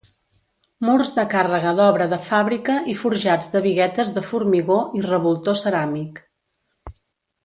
Murs de càrrega d'obra de fàbrica i forjats de biguetes de formigó i revoltó ceràmic.